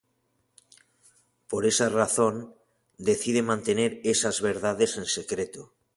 Por esa razón, decide mantener esas verdades en secreto.